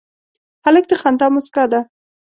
هلک د خندا موسکا ده.